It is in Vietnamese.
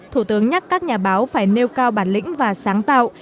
thủ tướng nhắc các nhà báo phải nêu cao bản lĩnh và sáng tạo